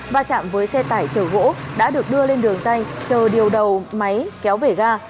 và chạm với xe tải chở gỗ đã được đưa lên đường dây chờ điều đầu máy kéo về ga